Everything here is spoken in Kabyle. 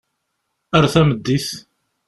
Ar tameddit.